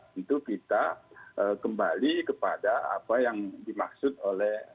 tentu kita kembali kepada apa yang dimaksud oleh